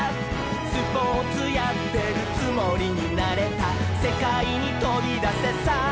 「スポーツやってるつもりになれた」「せかいにとびだせさあおどれ」